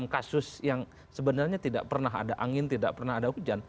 tiga puluh enam kasus yang sebenarnya tidak pernah ada angin tidak pernah ada hujan